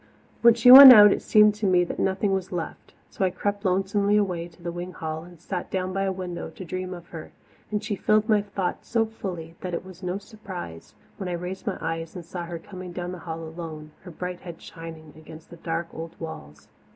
When she went out it seemed to me that nothing was left, so I crept lonesomely away to the wing hall and sat down by a window to dream of her; and she filled my thoughts so fully that it was no surprise when I raised my eyes and saw her coming down the hall alone, her bright head shining against the dark old walls.